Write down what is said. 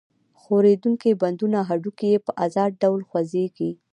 ښورېدونکي بندونه هډوکي یې په آزاد ډول خوځېږي.